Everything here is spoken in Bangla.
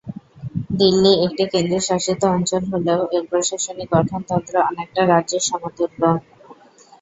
দিল্লি একটি কেন্দ্রশাসিত অঞ্চল হলেও এর প্রশাসনিক গঠনতন্ত্র অনেকটা রাজ্যের সমতুল্য।